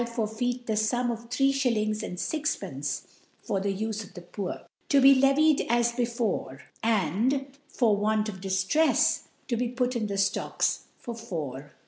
forfeit ( n ) forfeit the Sum of Three Shillings and Six pence, for the Ufe of the Poor ; to be le vied as before, and, forWantof Diftrefs, to be put in the Stocks for four.